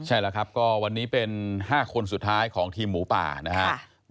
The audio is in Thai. ใช่แล้วครับก็วันนี้เป็น๕คนสุดท้ายของทีมหมูป่านะครับ